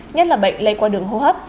nhất là bệnh lây qua đường hô hấp